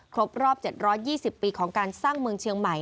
ครบรอบ๗๒๐ปีของการสร้างเมืองเชียงใหม่